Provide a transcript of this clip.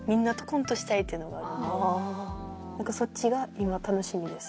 そっちが今楽しみです。